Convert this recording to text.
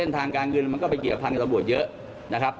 ทางการเงินมันก็ไปเกี่ยวพันกับตำรวจเยอะนะครับ